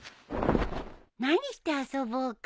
何して遊ぼうか？